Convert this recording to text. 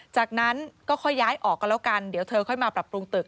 จากนั้นก็ค่อยย้ายออกกันแล้วกันเดี๋ยวเธอค่อยมาปรับปรุงตึก